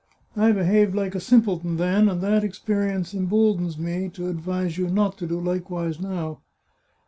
I behaved like a simpleton then, and that experience emboldens me to advise you not to do likewise now."